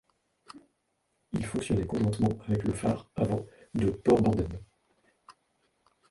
Il fonctionnait conjointement avec le phare avant de Port Borden.